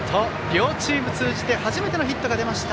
両チーム通じて初めてのヒットが出ました。